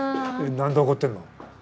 なんで怒ってんの？